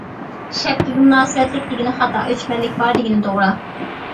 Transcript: «شەپكىگە مۇناسىۋەتلىك» دېگىنى خاتا، «ئۆچمەنلىك بار» دېگىنى توغرا.